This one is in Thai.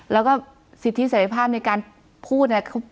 แล้วก็สิทธิเสร็จภาพในการพูดเนี่ย